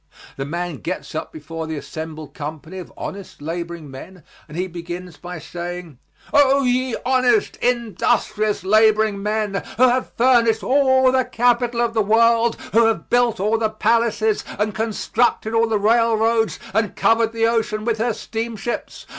The man gets up before the assembled company of honest laboring men and he begins by saying: "Oh, ye honest, industrious laboring men, who have furnished all the capital of the world, who have built all the palaces and constructed all the railroads and covered the ocean with her steamships.